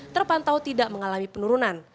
terpantau tidak mengalami penurunan